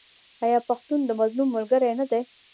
آیا پښتون د مظلوم ملګری نه دی؟